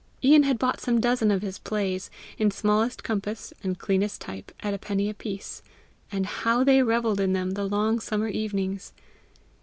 Ian had bought some dozen of his plays, in smallest compass and cleanest type, at a penny a piece, and how they revelled in them the long summer evenings!